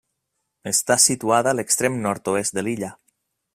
Està situada a l'extrem nord-oest de l'illa.